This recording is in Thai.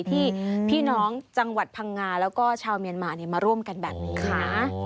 ที่พี่น้องจังหวัดพังงาแล้วก็ชาวเมียนมามาร่วมกันแบบนี้ค่ะ